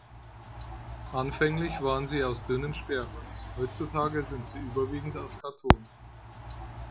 Anfänglich waren sie aus dünnem Sperrholz, heutzutage sind sie überwiegend aus Karton.